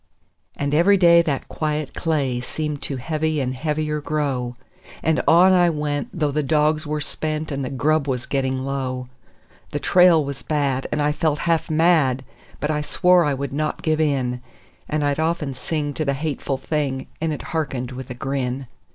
And every day that quiet clay seemed to heavy and heavier grow; And on I went, though the dogs were spent and the grub was getting low; The trail was bad, and I felt half mad, but I swore I would not give in; And I'd often sing to the hateful thing, and it hearkened with a grin.